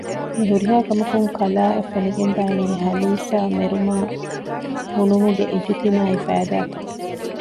މިހުރިހާކަމަކުން ކަލާއަށް ފެނިގެންދާނީ ހަލީސާމެރުމާ ހުނުމުގެ އިޖުތިމާޢީ ފައިދާތައް